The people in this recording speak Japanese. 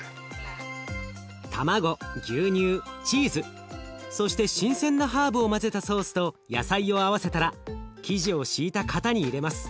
卵牛乳チーズそして新鮮なハーブを混ぜたソースと野菜を合わせたら生地を敷いた型に入れます。